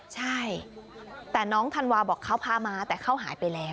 ใช่แต่น้องธันวาบอกเขาพามาแต่เขาหายไปแล้ว